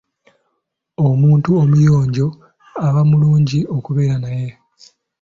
Omuntu omuyonjo aba mulungi okubeera naye.